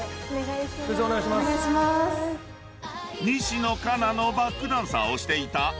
［西野カナのバックダンサーをしていた］